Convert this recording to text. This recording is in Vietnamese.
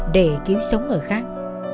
để cứu sống ở khác